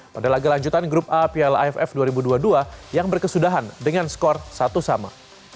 pada laga lanjutan grup a piala aff dua ribu dua puluh dua yang berkesudahan dengan skor satu sama